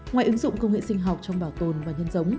ngoài ứng dụng công nghệ sinh học trong bảo tồn và nhân giống